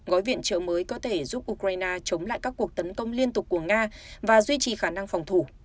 gói viện trợ mới có thể giúp ukraine chống lại các cuộc tấn công liên tục của nga và duy trì khả năng phòng thủ